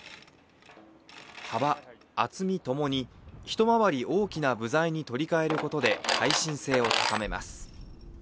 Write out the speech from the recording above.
幅、厚み共に一回り大きな部材に取り替えることで耐震性を高めます。